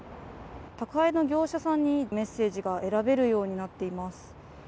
宅配の業者さんにメッセージが選べるようになっています。